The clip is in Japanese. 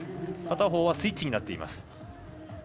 片方はスイッチになっています。